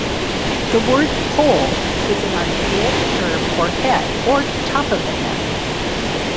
The word "poll" is an archaic term for "head" or "top of the head".